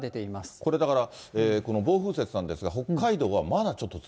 これ、だからこの暴風雪なんですが、北海道はまだちょっと続